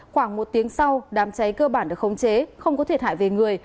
khoảng một tiếng sau đám cháy cơ bản được khống chế không có thiệt hại về người